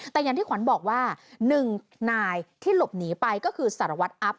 แต่อย่างที่ขวัญบอกว่า๑นายที่หลบหนีไปก็คือสารวัตรอัพ